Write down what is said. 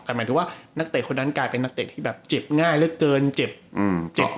แต่หมายถึงว่านักเตะคนนั้นกลายเป็นนักเตะที่แบบเจ็บง่ายเหลือเกินเจ็บเจ็บ